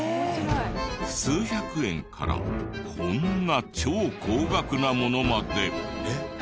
数百円からこんな超高額なものまで。